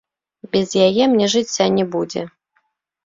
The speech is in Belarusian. Без яе мне жыцця не будзе!